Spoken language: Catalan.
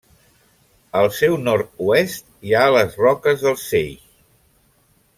Al seu nord-oest hi ha les Roques del Seix.